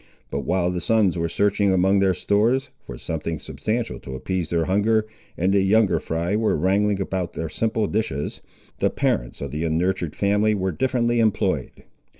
But while the sons were searching among their stores, for something substantial to appease their hunger, and the younger fry were wrangling about their simple dishes, the parents of the unnurtured family were differently employed.